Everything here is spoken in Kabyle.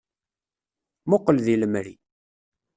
Muqel deg lemri.